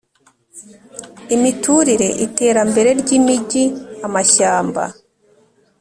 imiturire iterambere ry imijyi amashyamba